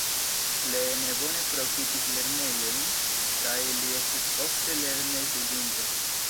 Lee ne bone profitis lernejojn, kaj li estis ofte lernej-fuĝinto.